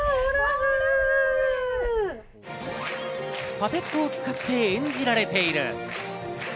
パペットを使って演じられている。